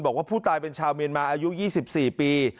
บอกว่าผู้ตายเป็นชาวเมียนมาอายุ๒๔ปี